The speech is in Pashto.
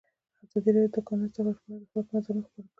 ازادي راډیو د د کانونو استخراج په اړه د خلکو نظرونه خپاره کړي.